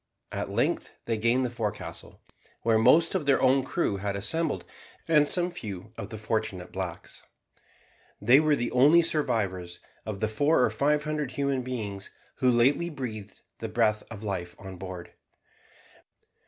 At length they gained the forecastle, where most of their own crew had assembled and some few of the unfortunate blacks. They were the only survivors of the four or five hundred human beings who lately breathed the breath of life on board.